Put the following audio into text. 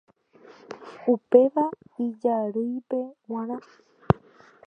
Upéva ijarýipe g̃uarã.